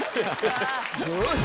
よし！